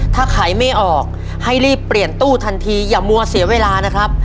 ถ้าขายไม่ออกให้รีบเปลี่ยนตู้ทันทีอย่ามัวเสียเวลานะครับ